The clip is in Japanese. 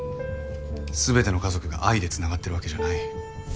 すべての家族が愛で繋がってるわけじゃない。